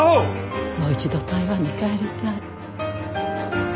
もう一度台湾に帰りたい。